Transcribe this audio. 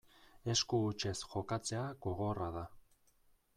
Esku hutsez jokatzea gogorra da.